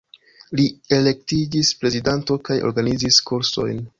Li elektiĝis prezidanto kaj organizis kursojn.